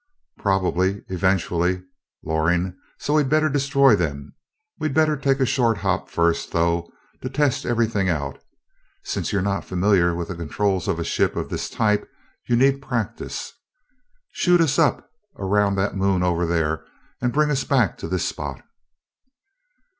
"Probably, eventually, Loring, so we'd better destroy them. We'd better take a short hop first, though, to test everything out. Since you're not familiar with the controls of a ship of this type, you need practise. Shoot us up around that moon over there and bring us back to this spot."